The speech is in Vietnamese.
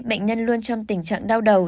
bệnh nhân luôn trong tình trạng đau đầu